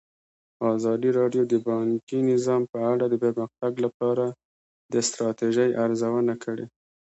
ازادي راډیو د بانکي نظام په اړه د پرمختګ لپاره د ستراتیژۍ ارزونه کړې.